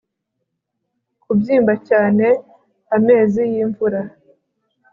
Kubyimba cyane amezi yimvura